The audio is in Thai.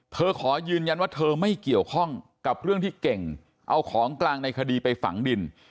ขอยืนยันว่าเธอไม่เกี่ยวข้องกับเรื่องที่เก่งเอาของกลางในคดีไปฝังดิน